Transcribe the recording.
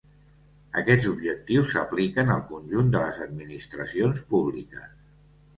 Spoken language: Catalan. Aquests objectius s'apliquen al conjunt de les administracions públiques.